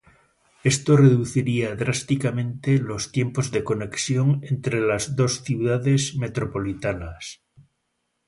Esto reduciría drásticamente los tiempos de conexión entre las dos ciudades metropolitanas.